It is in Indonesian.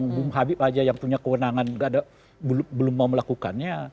bung habib aja yang punya kewenangan belum mau melakukannya